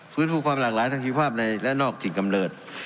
ฟื้นฟูความหลากหลายทางชีภาพในและนอกถิ่นกำเนิด